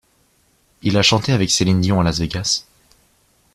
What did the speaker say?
Il a chanté avec Céline Dion à Las Vegas.